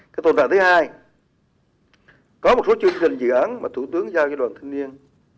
cái tồn tại thứ hai có một số chương trình dự án mà thủ tướng giao cho đoàn thanh niên